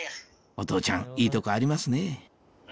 お父ちゃんいいとこありますね